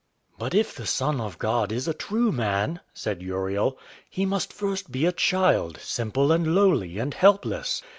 "But if the Son of God is a true man," said Uriel, "he must first be a child, simple, and lowly, and helpless.